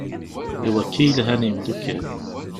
I wakka i lhan yemdukal.